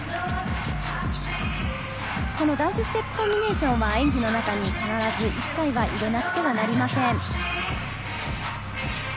ダンスステップコンビネーションは演技の中に必ず一回は入れなくてはなりません。